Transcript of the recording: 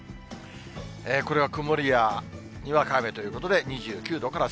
これは曇りやにわか雨ということで、２９度から３０度。